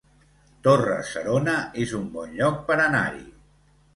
Torre-serona es un bon lloc per anar-hi